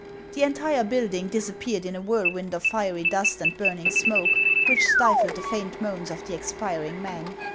The entire building disappeared in a whirlwind of fiery dust and burning smoke, which stifled the faint moans of the expiring men.